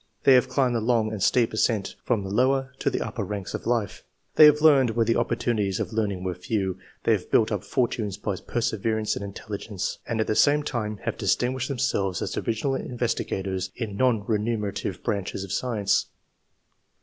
They have climbed the long and steep ascent from the lower to the upper ranks of life ; they have learnt where the opportunities of 76 ENGLISH MEN OF SCIENCE. [chap. learning were few ; they have built up fortunes by perseverance and intelligence, and at the same time have distinguished themselves as original investigators in non remunerative branches of science.